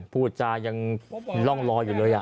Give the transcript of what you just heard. พูดจายังร่องลอยอยู่เลย